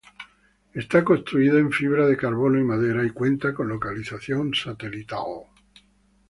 Está construido en fibra de carbono y madera, y cuenta con localización satelital.